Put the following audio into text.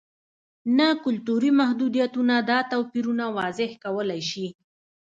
نه کلتوري محدودیتونه دا توپیرونه واضح کولای شي.